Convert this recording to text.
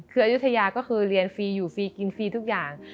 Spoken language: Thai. คืออายุทยาก็คือเรียนฟรีอยู่ฟรีกินฟรีทุกอย่าง